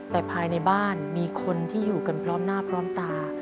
แต่ภายในบ้านมีคนที่อยู่กันพร้อมหน้าพร้อมตา